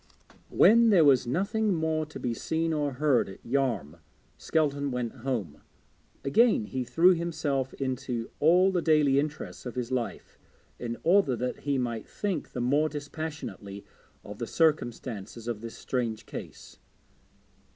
When there was nothing more to be seen or heard at Yarm, Skelton went home. Again he threw himself into all the daily interests of his life in order that he might think the more dispassionately of the circumstances of this strange case.